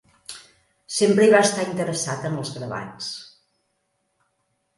Sempre hi va estar interessat en els gravats.